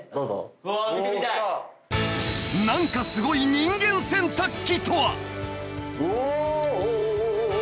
［何かすごい人間洗濯機とは？］